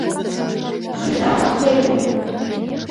Шижамак теве.